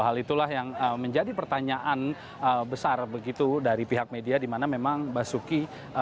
hal itulah yang menjadi pertanyaan besar begitu dari pihak media di mana memang basuki